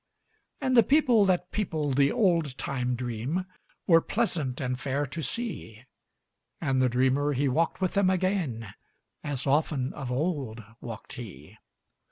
And the people that peopled the old time dream Were pleasant and fair to see, And the dreamer he walked with them again As often of old walked he.